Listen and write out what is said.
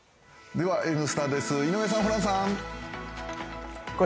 では「Ｎスタ」です井上さん、ホランさん。